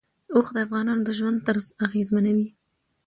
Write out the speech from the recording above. اوښ د افغانانو د ژوند طرز اغېزمنوي.